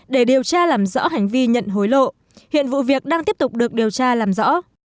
để điều tra làm rõ hành vi nhận hối lộ hiện vụ việc đang tiếp tục được điều tra làm rõ